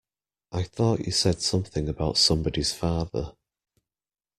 I thought you said something about somebody's father.